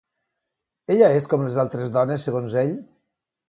Ella és com les altres dones, segons ell?